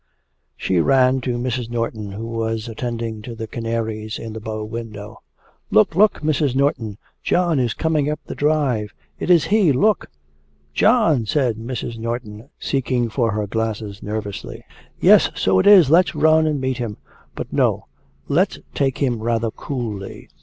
She ran to Mrs. Norton, who was attending to the canaries in the bow window. 'Look, look, Mrs. Norton, John is coming up the drive; it is he look!' 'John!' said Mrs. Norton, seeking for her glasses nervously; 'yes, so it is; let's run and meet him. But no; let's take him rather coolly.